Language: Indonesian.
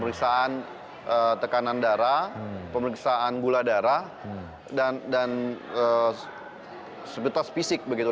pemeriksaan tekanan darah pemeriksaan gula darah dan sepintas fisik begitu